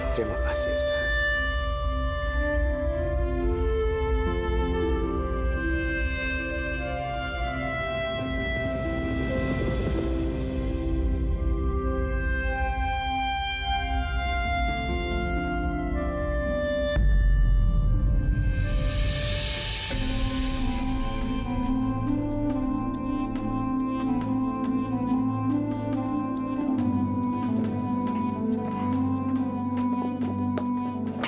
terima kasih ustadz